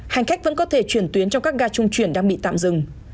hành khách vẫn có thể chuyển tuyến trong các ga trung chuyển đang bị tạm dừng